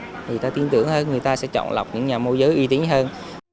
thì người ta tin tưởng là người ta sẽ chọn lọc những nhà môi giới uy tín hơn